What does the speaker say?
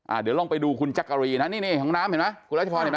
อ่ะเดี๋ยวลองไปดูคุณจั๊กกะรีนะนี่ห้องน้ำเห็นไหมคุณรัฐพรณ์เห็นไหม